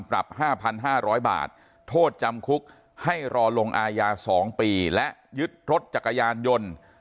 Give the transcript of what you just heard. ปรับ๕๕๐๐บาทโทษจำคุกให้รอลงอาญา๒ปีและยึดรถจักรยานยนต์